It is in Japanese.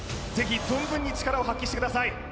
ぜひ存分に力を発揮してください